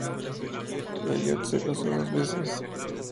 Elliot se casó dos veces.